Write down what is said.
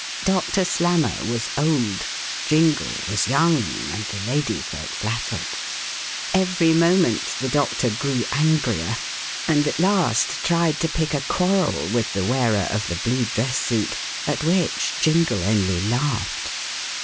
Doctor Slammer was old; Jingle was young, and the lady felt flattered. Every moment the doctor grew angrier and at last tried to pick a quarrel with the wearer of the blue dress suit, at which Jingle only laughed.